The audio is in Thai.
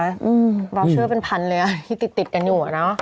รอบเชื่อเป็นพันเลยที่ติดกันอยู่